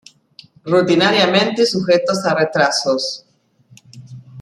Rutinariamente sujetos a retrasos.